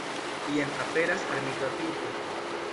Jen aperas armita trupo.